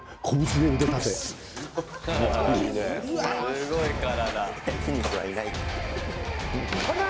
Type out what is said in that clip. すごい体。